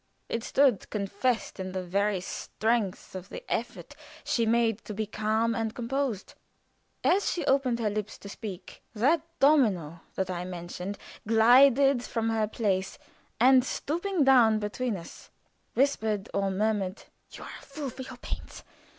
It stood confessed in the very strength of the effort she made to be calm and composed. As she opened her lips to speak, that domino that I mentioned glided from her place and stooping down between us, whispered or murmured: "You are a fool for your pains.